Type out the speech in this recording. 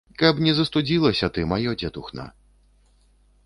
Каб не застудзілася ты, маё дзетухна.